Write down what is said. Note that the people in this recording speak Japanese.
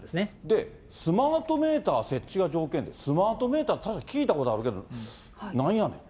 で、スマートメーター設置が条件ってスマートメーター、聞いたことあるけど、なんやねん？